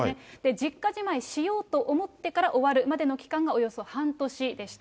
実家じまいしようと思ってから終わるまでの期間がおよそ半年でした。